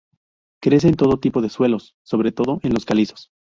Crece en todo tipo de suelos, sobre todo en los calizos.